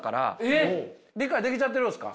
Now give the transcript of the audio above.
理解できちゃってるんですか。